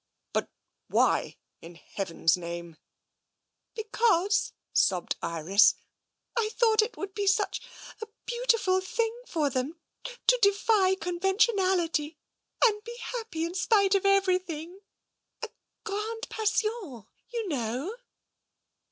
But why, in Heaven's name? " Because," sobbed Iris, " I thought it would be such a beautiful thing for them to defy conventionality and be happy in spite of everything — a grande passion — you know.